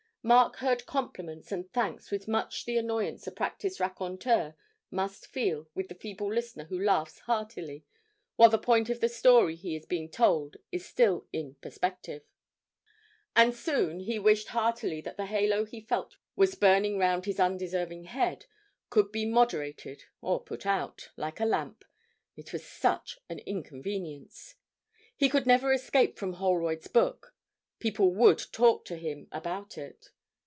Mark heard compliments and thanks with much the annoyance a practised raconteur must feel with the feeble listener who laughs heartily, while the point of the story he is being told is still in perspective. And soon he wished heartily that the halo he felt was burning round his undeserving head could be moderated or put out, like a lamp it was such an inconvenience. He could never escape from Holroyd's book; people would talk to him about it.